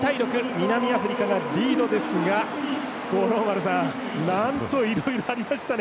南アフリカがリードですがなんといろいろありましたね